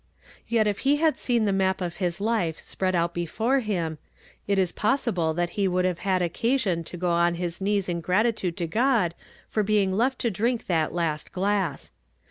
Yet if he had seen the map of his life spread out l)efore him, it is possible that he would have had oeeasion to go on his knees in gratitude to (iod for being hd't to driidc that last glass.